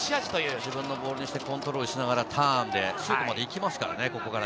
自分のボールにしてコントロールしてターンして、シュートまでいきますからね。